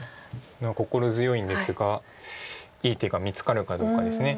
心強いんですがいい手が見つかるかどうかです。